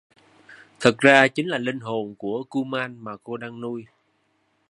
Thực ra chính là linh hồn của Kuman mà cô đang nuôi